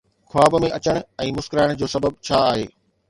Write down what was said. خواب ۾ اچڻ ۽ مسڪرائڻ جو سبب ڇا آهي؟